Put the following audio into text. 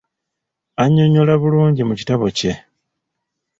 Annyonnyola bulungi mu kitabo kye.